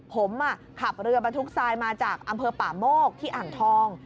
ผมขับเรือบรรทุกทรายมาจากอำเภอป่าโมกที่อ่างทอง